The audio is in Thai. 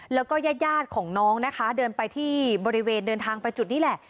แล้วก็ญาติของน้องนะคะเดินไปที่บริเวณเดินทางไปจุดนี้แหละ